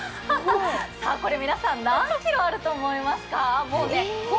皆さん、何キロあると思いますか？